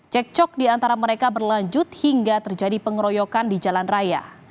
cekcok di antara mereka berlanjut hingga terjadi pengeroyokan di jalan raya